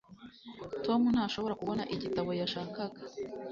tom ntashobora kubona igitabo yashakaga